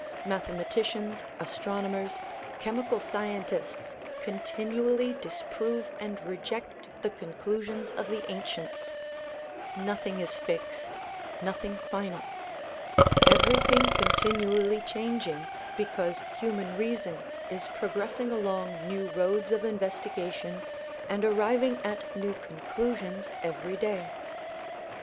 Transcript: Mathematicians, astronomers, chemical scientists continually dis prove and reject the conclusions of the ancients; nothing is fixed, nothing final ; everything continually changing because human reason is progressing along new roads of investigation and arriving at new conclusions every day.